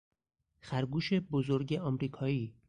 خرگوش بزرگ امریکایی